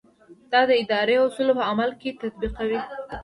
دا د ادارې اصول په عمل کې تطبیقوي.